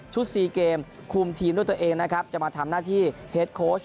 ๔เกมคุมทีมด้วยตัวเองนะครับจะมาทำหน้าที่เฮดโค้ช